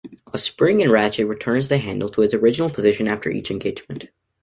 A spring and ratchet returns the handle to its original position after each engagement.